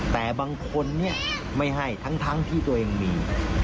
แต่บางคนเนี่ยไม่ให้ทั้งที่ตัวเองมี